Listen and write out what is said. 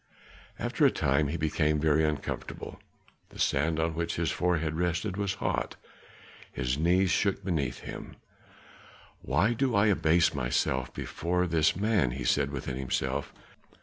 After a time he became very uncomfortable, the sand on which his forehead rested was hot, his knees shook beneath him. "Why do I abase myself before this man," he said within himself.